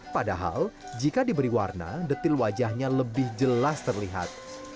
padahal jika diberi warna detil wajahnya lebih jelas terlihat